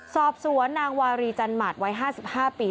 สอบสวนนางวารีจันหมาดวัย๕๕ปี